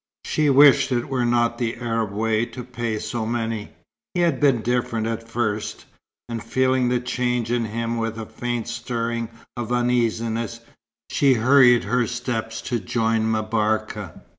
She wished it were not the Arab way to pay so many. He had been different at first; and feeling the change in him with a faint stirring of uneasiness, she hurried her steps to join M'Barka.